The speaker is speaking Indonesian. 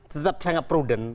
tetap sangat prudent